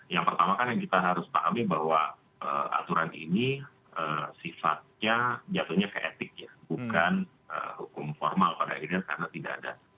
yang pertama kan yang kita harus pahami bahwa aturan ini sifatnya jatuhnya ke etik ya bukan hukum formal pada akhirnya karena tidak ada